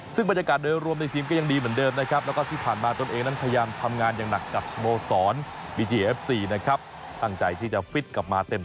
ซึ่งบรรยากาศโดยร่วมในทีมก็ยังดีเหมือนเดิมนะครับ